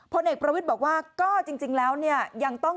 ผ่านเอกพระวิทย์บอกว่าก็จริงแล้วก็ยังต้อง